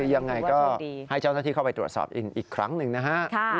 ยังไงก็ให้เจ้าหน้าที่เข้าไปตรวจสอบอีกครั้งหนึ่งนะฮะ